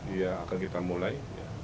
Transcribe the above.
ya akan kita mulai